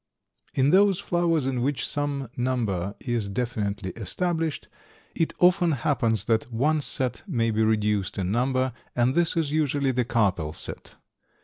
In those flowers in which some number is definitely established, it often happens that one set may be reduced in number, and this is usually the carpel set.